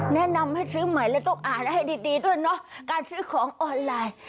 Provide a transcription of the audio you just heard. แนะนำให้ซื้อใหม่แล้วต้องอ่านให้ดีด้วยเนาะการซื้อของออนไลน์